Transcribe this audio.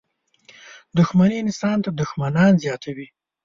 • دښمني انسان ته دښمنان زیاتوي.